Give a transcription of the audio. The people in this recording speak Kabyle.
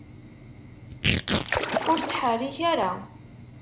Ur ttḥerrik ara!